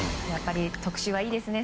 特集はいいですね。